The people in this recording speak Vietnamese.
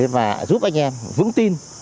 và giúp anh em vững tin